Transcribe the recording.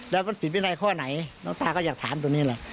แล้วมันผิดวินัยข้อไหนน้องตาก็อยากถามตัวนี้แหละ